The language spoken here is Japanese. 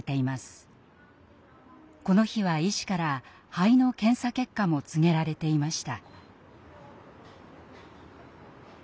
この日は医師から肺の検査結果も告げられていました。